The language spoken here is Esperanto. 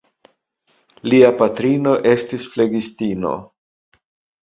Lia patrino estis flegistino.